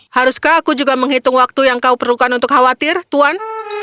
haruskah aku juga menghitung waktu yang kau perlukan untuk khawatir tuan